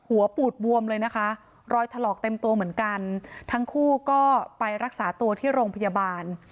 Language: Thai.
ปูดบวมเลยนะคะรอยถลอกเต็มตัวเหมือนกันทั้งคู่ก็ไปรักษาตัวที่โรงพยาบาล